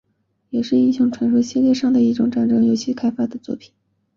也是英雄传说系列第一次在掌上游戏机上开发的作品。